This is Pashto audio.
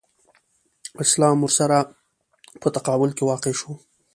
اسلام ورسره په تقابل کې واقع شو.